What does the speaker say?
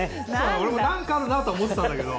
俺も何かあるなって思ってたんだけど。